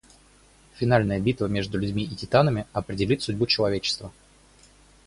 Финальная битва между людьми и титанами определит судьбу человечества.